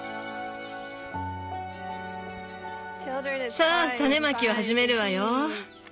さあ種まきを始めるわよ！